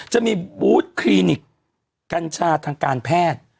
จะมีบูธคลินิกกัญชาทางการแพทย์